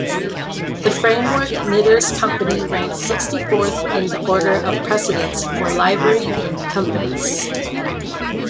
The Framework Knitters' Company ranks sixty-fourth in the order of precedence for Livery Companies.